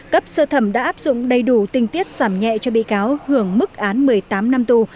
cấp sơ thẩm đã áp dụng đầy đủ tình tiết giảm nhẹ cho bị cáo hưởng mức án một mươi tám năm tù